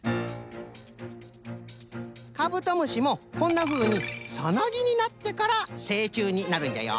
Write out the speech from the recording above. カブトムシもこんなふうにサナギになってからせいちゅうになるんじゃよ。